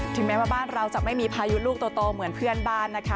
แม้ว่าบ้านเราจะไม่มีพายุลูกโตเหมือนเพื่อนบ้านนะคะ